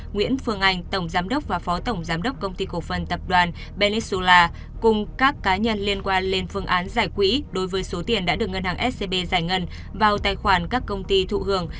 nguyễn phương anh tổng giám đốc và phó tổng giám đốc công ty cổ phần tập đoàn benesall cùng các cá nhân liên quan lên phương án giải quỹ đối với số tiền đã được ngân hàng scb giải ngân vào tài khoản các công ty thụ hưởng